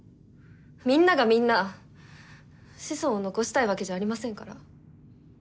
みんながみんな子孫を残したいわけじゃありませんから。